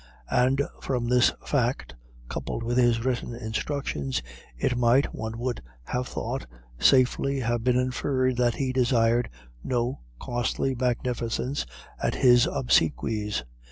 And from this fact, coupled with his written instructions, it might, one would have thought, safely have been inferred that he desired no costly magnificence at his obsequies.